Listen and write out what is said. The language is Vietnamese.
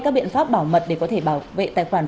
các biện pháp bảo mật để có thể bảo vệ tài khoản